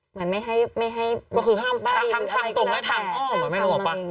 เหมือนไม่ให้ไม่ให้ก็คือห้ามทางตรงและทางออกแบบไม่รู้หรอปะ